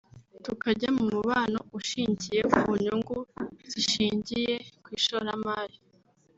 tukajya mu mubano ushingiye ku nyungu zishingiye ku ishoramari